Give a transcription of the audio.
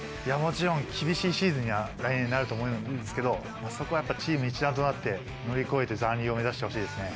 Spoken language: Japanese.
厳しいシーズンには来年、なると思うんですけどそこはやっぱりチーム一丸となって乗り越えて残留を目指してほしいですね。